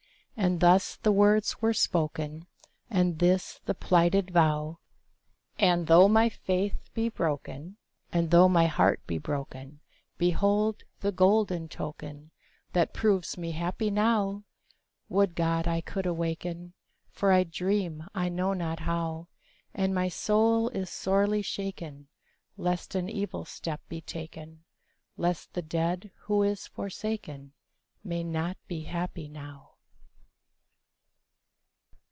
And thus the words were spoken, And thus the plighted vow, And, though my faith be broken, And, though my heart be broken, Behold the golden token That proves me happy now! Would to God I could awaken! For I dream I know not how, And my soul is sorely shaken Lest an evil step be taken,— Lest the dead who is forsaken May not be happy now.